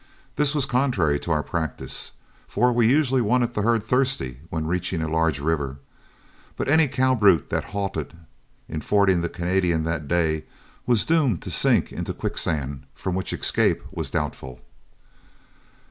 This was contrary to our practice, for we usually wanted the herd thirsty when reaching a large river. But any cow brute that halted in fording the Canadian that day was doomed to sink into quicksands from which escape was doubtful.